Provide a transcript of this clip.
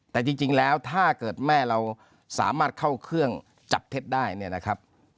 แต่จริงแล้วถ้าเกิดแม่เราสามารถเข้าเครื่องจับเท็จได้เนี่ยนะครับ